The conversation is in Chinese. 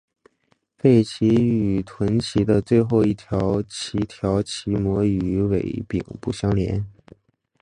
背鳍与臀鳍的最后一鳍条鳍膜与尾柄不相连。